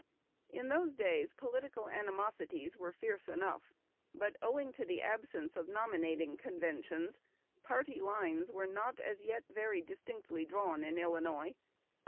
In those days political animosities were fierce enough; but, owing to the absence of nominating conventions, party lines were not, as yet, very distinctly drawn in Illinois.